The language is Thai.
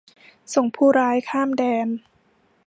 ส่งผู้ร้ายข้ามแดน